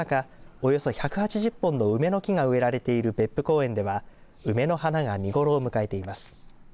およそ１８０本の梅の木が植えられている別府公園では梅の花が見頃を迎えています。